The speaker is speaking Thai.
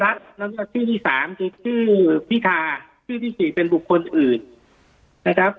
แล้วก็ชื่อที่สามคือชื่อพิธาชื่อที่๔เป็นบุคคลอื่นนะครับ